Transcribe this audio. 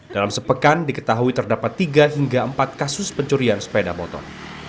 dalam sepekan diketahui terdapat tiga hingga empat kasus pencurian sepeda motor